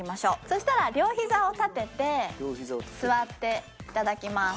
そしたら両膝を立てて座って頂きます。